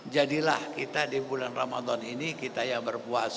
jadilah kita di bulan ramadan ini kita yang berpuasa